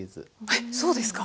えっそうですか！